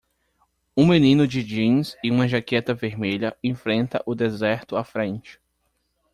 Um menino de jeans e uma jaqueta vermelha enfrenta o deserto à frente.